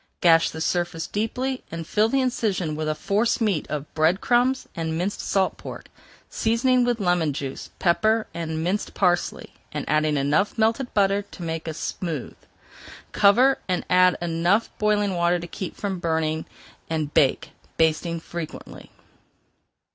Gash the surface deeply and fill the incision with a force meat of bread crumbs and minced salt pork, seasoning with lemon juice, pepper, and minced parsley, and adding enough melted butter to make smooth. Cover, add enough boiling water to keep from burning, and bake, basting frequently.